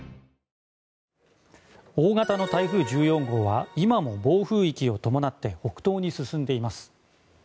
大型の台風１４号は今も暴風域を伴って北東に進んでいます。